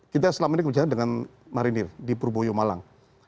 kita selama ini berbicara dengan marinir di purboyo malang